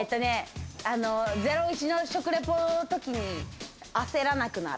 『ゼロイチ』の食レポの時に焦らなくなる。